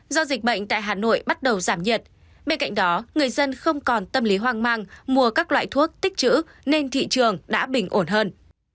do dịch bệnh tại hà nội bắt đầu giảm nhiệt bên cạnh đó người dân không còn tâm lý hoang mang mua các loại thuốc tích chữ nên thị trường đã bình ổn hơn